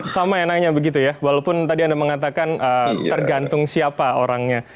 sama enaknya begitu ya walaupun tadi anda mengatakan tergantung siapa orangnya